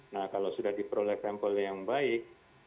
nah kalau sudah di prolek sampel yang baik